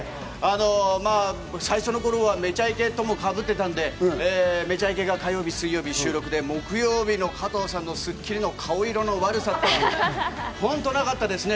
最初の頃は『めちゃイケ』ともかぶってたんで、『めちゃイケ』が火曜日、水曜日収録で、木曜日の加藤さんの『スッキリ』の顔色の悪さったら、本当なかったですね。